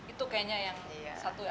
itu kayaknya yang satu ya